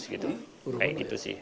kayak gitu sih